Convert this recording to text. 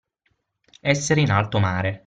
Essere in alto mare.